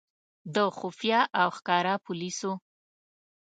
د خفیه او ښکاره پولیسو.